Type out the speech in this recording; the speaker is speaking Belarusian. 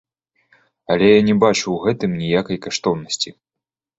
Але я не бачу ў гэтым ніякай каштоўнасці.